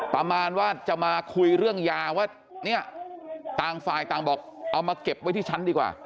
ประมาณว่าจะมาคุยเรื่องยาว่าเนี่ยต่างฝ่ายต่างบอกเอามาเก็บไว้ที่ชั้นดีกว่า